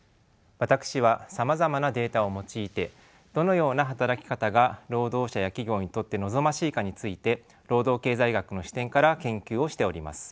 私はさまざまなデータを用いてどのような働き方が労働者や企業にとって望ましいかについて労働経済学の視点から研究をしております。